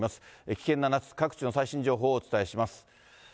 危険な夏、各地の最新情報をお伝えします。